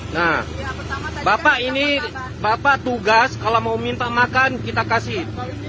nah bapak ini bapak tugas kalau mau minta makan kita kasih